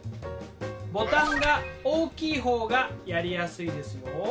ボタンが大きい方がやりやすいですよ。